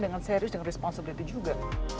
dengan serious dengan responsibility juga